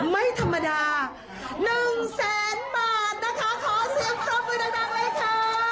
ไม่ธรรมดา๑แสนบาทนะคะขอเสียงปรบมือดังเลยค่ะ